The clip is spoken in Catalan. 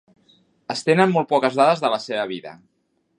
Es tenen molt poques dades de la seva vida.